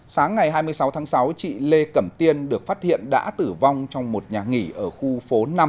sáng ngày hai mươi sáu tháng sáu chị lê cẩm tiên được phát hiện đã tử vong trong một nhà nghỉ ở khu phố năm